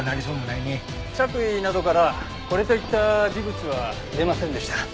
着衣などからこれといった微物は出ませんでした。